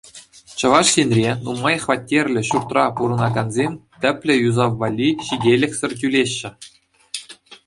Чӑваш Енре нумай хваттерлӗ ҫуртра пурӑнакансем тӗплӗ юсав валли ҫителӗксӗр тӳлеҫҫӗ.